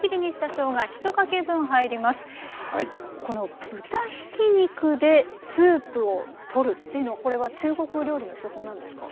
この豚ひき肉でスープをとるっていうのはこれは中国料理の手法なんですか？